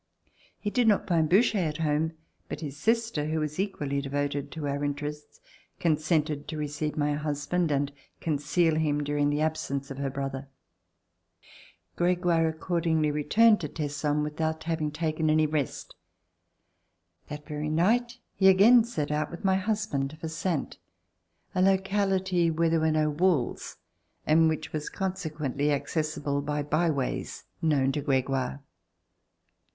He did not find Boucher at home, but his sister, who was equally devoted to our interests, consented to receive my husband and conceal him during the absence of her brother. Gregoire accordingly returned to Tesson w ithout having taken any rest. That very night he again set out with my husband for Saintes, a locality where there were no walls and which was consequently accessible by byways known to Gregoire.